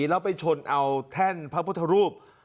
แล้วไปชนเอาแท่นพระพุทธรูป